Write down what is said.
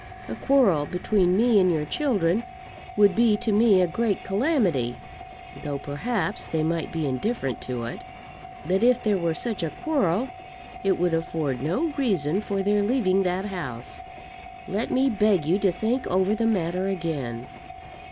A quarrel between me and your children would be to me a great calamity, though, perhaps, they might be indifferent to it. But if there were such a quarrel it would afford no reason for their leaving that house. Let me beg you to think over the matter again." [ILLUSTRATION: "Let me beg you to think over the matter again."